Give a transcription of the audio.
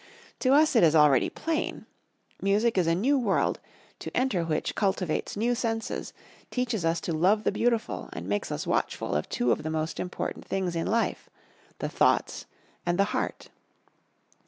To us it is already plain. Music is a new world, to enter which cultivates new senses, teaches us to love the beautiful, and makes us watchful of two of the most important things in life: the thoughts and the heart.